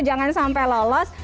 jangan sampai lolos